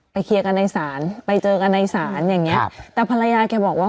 เคลียร์กันในศาลไปเจอกันในศาลอย่างเงี้ครับแต่ภรรยาแกบอกว่า